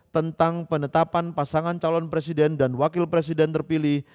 tentang penetapan pasangan calon presiden dan wakil presiden terpilih